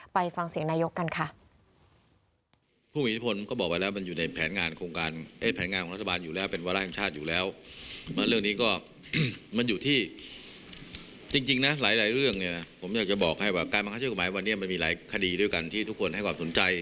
ไปฟังเสียงนายกกันค่ะ